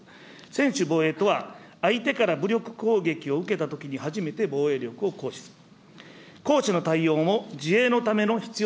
専守防衛とは、相手から武力攻撃を受けたときに、初めて防衛力を行使する。